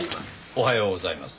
おはようございます。